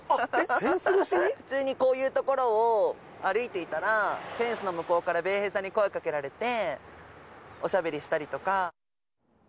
普通に、こういう所を歩いていたら、フェンスの向こうから米兵さんに声かけられて、おしゃべりしたりとか。